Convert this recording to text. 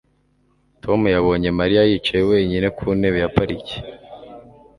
Tom yabonye Mariya yicaye wenyine ku ntebe ya parike